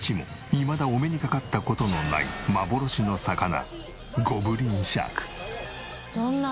いまだお目にかかった事のない幻の魚ゴブリンシャーク。